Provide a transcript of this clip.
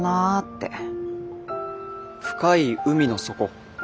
深い海の底。